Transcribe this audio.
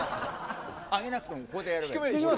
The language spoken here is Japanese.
上げなくてもここでやればいい。